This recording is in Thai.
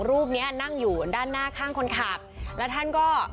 รูปเนี้ยนั่งอยู่ด้านหน้าข้างคนขับแล้วท่านก็